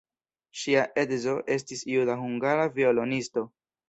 Ŝia edzo estis juda-hungara violonisto.